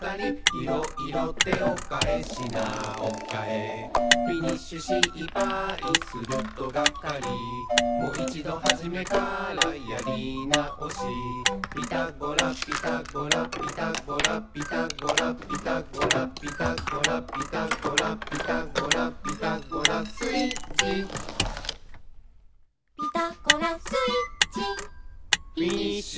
「いろいろ手をかえ品をかえ」「フィニッシュ失敗するとがっかり」「もいちどはじめからやり直し」「ピタゴラピタゴラ」「ピタゴラピタゴラ」「ピタゴラピタゴラ」「ピタゴラピタゴラ」「ピタゴラスイッチ」「ピタゴラスイッチ」「フィニッシュ！」